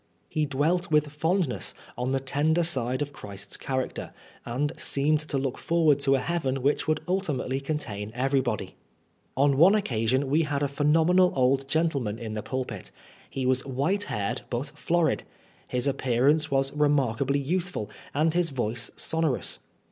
He dwelt with fondness on the tender side of Christ's character, and seemed to look forward to a heaven which would ultimately contain every body. On one occasion we had a phenomenal old gentle man in the pulpit. He was white haired but florid. His appearance was remarkably youthful, and his voice sonorous.